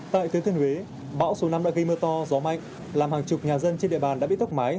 tại thứ thiên huế bão số năm đã gây mưa to gió mạnh làm hàng chục nhà dân trên địa bàn đã bị tốc mái